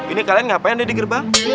ini kalian ngapain deh di gerbang